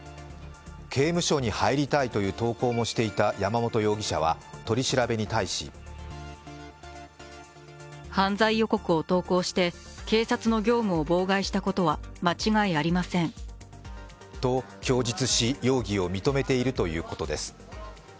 刑務所に入りたいという投稿もしていた山本容疑者は取り調べに対しと供述し容疑を認めているということです。